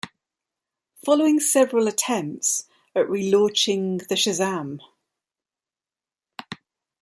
Following several attempts at relaunching the Shazam!